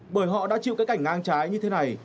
bởi họ đã chịu cái cảnh ngang trái như thế này